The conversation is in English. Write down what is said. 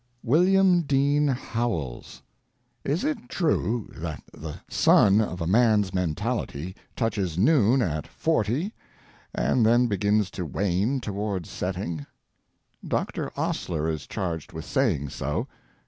WILLIAM DEAN HOWELLS Is it true that the sun of a man's mentality touches noon at forty and then begins to wane toward setting? Doctor Osler is charged with saying so.